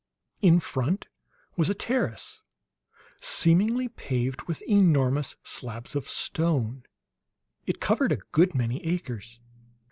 In front was a terrace, seemingly paved with enormous slabs of stone; it covered a good many acres.